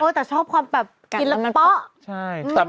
แต่ชอบความแบบกินแล้วเป๊ะ